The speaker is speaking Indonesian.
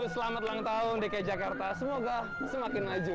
selamat ulang tahun dki jakarta semoga semakin maju